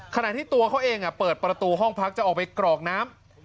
ขณะที่ตัวเขาเองเปิดประตูห้องพักจะออกไปกรอกน้ำ